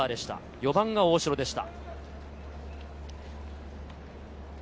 ４番が大城でした。